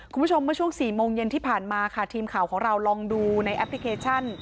คุณผู้ชมเมื่อช่วง๔โมงเย็นที่ผ่านมาค่ะทีมข่าวของเราลองดูในแอปพลิเคชัน